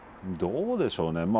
どうでしょうね。